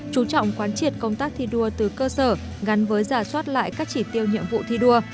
chú trọng quán triệt công tác thi đua từ cơ sở gắn với giả soát lại các chỉ tiêu nhiệm vụ thi đua